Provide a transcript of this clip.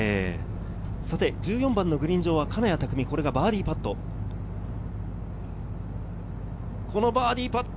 １４番のグリーン上は金谷拓実、これがバーディーパット。